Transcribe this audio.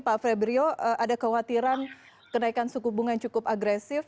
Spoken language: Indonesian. pak febrio ada kekhawatiran kenaikan suku bunga yang cukup agresif